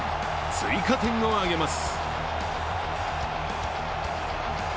追加点を挙げます。